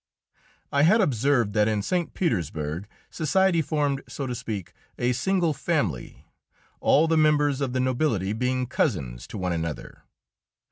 I had observed that in St. Petersburg society formed, so to speak, a single family, all the members of the nobility being cousins to one another.